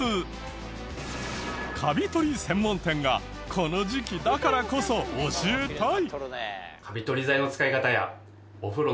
カビ取り専門店がこの時期だからこそ教えたい！